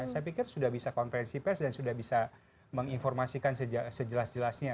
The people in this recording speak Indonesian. saya pikir sudah bisa konferensi pers dan sudah bisa menginformasikan sejelas jelasnya